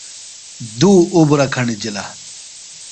دُو اُبرہ کھݨِجِلہ۔